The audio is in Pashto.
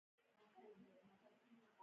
ګڼ شمېر وګړي له کورونو او ځمکو ایستل شوي وو